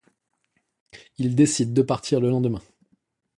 Il décide de partir le lendemain.